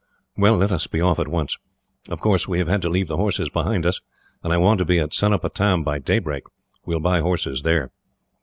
"Well, let us be off at once. Of course, we have had to leave the horses behind us, and I want to be at Cenopatam by daybreak. We will buy horses there."